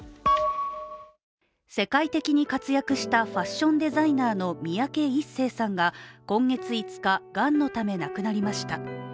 世界的に活躍したファッションデザイナーの三宅一生さんが今月５日、がんのため亡くなりました。